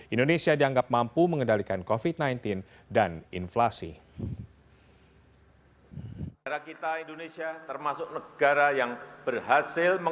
indonesia dianggap mampu mengendalikan kofit sembilan belas dan inflasi